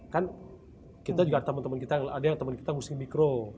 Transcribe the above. kan kita juga ada teman teman kita ada yang teman kita muslim mikro